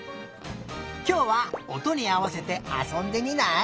きょうはおとにあわせてあそんでみない？